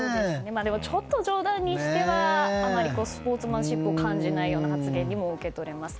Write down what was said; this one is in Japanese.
ちょっと冗談にしてはあまりスポーツマンシップを感じないような発言にも受け取れます。